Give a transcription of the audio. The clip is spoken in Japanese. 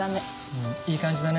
うんいい感じだね。